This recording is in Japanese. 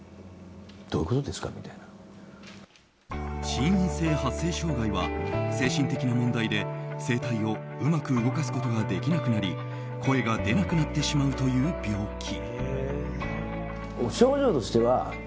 心因性発声障害は精神的な問題で声帯をうまく動かすことができなくなり声が出なくなってしまうという病気。